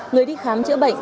người đi khám chữa bệnh